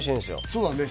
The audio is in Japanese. そうだね